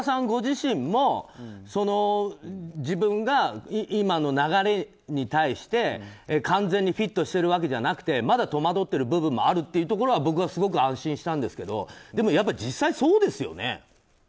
ご自身も自分が今の流れに対して完全にフィットしているわけじゃなくてまだ戸惑ってる部分もあるというところは僕はすごく安心したんですがでも実際そうですよね。